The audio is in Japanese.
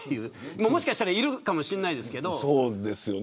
もしかしたらいるかもしれないですけど。